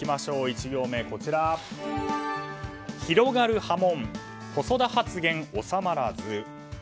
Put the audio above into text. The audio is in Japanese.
１行目広がる波紋、細田発言収まらず。